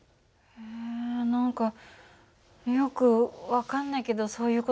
え何かよく分かんないけどそういう事なんだ。